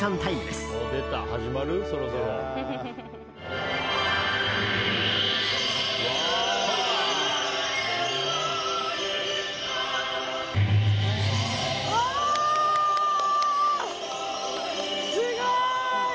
すごい。